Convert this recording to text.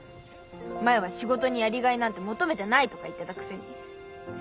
前は「仕事にやりがいなんて求めてない」とか言ってたくせに。